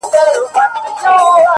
تور یم موړ یمه د ژوند له خرمستیو